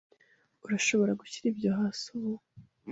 Urashobora gushyira ibyo hasi ubu